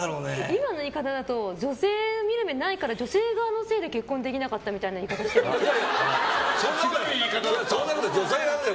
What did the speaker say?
今の言い方だと女性見る目ないから女性側のせいで結婚できなかったみたいなそんなことない！